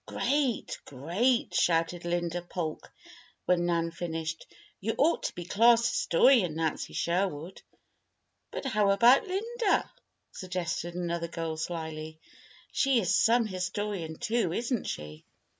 "Great! great!" shouted Laura Polk, when Nan finished. "You ought to be class historian, Nancy Sherwood." "But how about Linda?" suggested another girl, slily. "She is some historian, too, isn't she?"